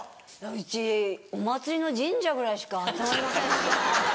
うちお祭りの神社ぐらいしか集まりません。